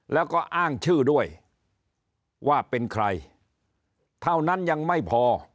แล้วก็อ้างชื่อด้วยว่าเป็นใครเท่านั้นยังไม่พอ